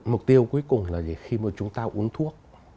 mục tiêu cuối cùng là gì khi mà chúng ta uống thuốc